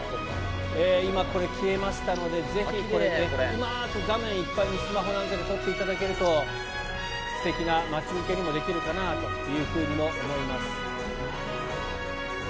今、消えましたのでぜひこれでうまく画面いっぱいにスマホなんかで撮っていただけると素敵な待ち受けにもできるかなと思います。